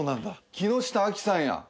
木下亜希さんや。